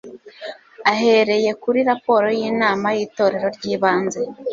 ahereye kuri raporo y inama y Itorero ry ibanze